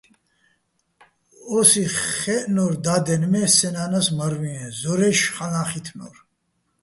ო́სი ხეჸნო́რ და́დენ, მე́ სე ნა́ნას მარ ვიეჼ, ზორაჲში̆ ხალაჼ ხი́თნორ.